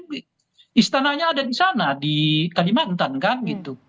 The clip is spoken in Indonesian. nah yang enggak nanti kan presiden istananya ada di sana di kalimantan kan gitu